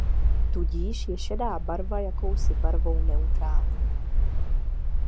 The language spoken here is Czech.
Tudíž je šedá barva jakousi barvou neutrální.